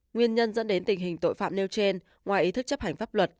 nguyên nhân dẫn đến tình hình tội phạm nêu trên ngoài ý thức chấp hành pháp luật